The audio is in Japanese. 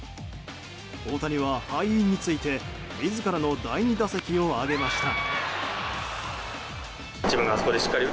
大谷は、敗因について自らの第２打席を挙げました。